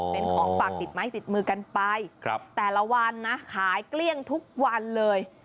เป็นของฝากติดไม้ติดมือกันไปแต่ละวันนะขายเกลี้ยงทุกวันเลย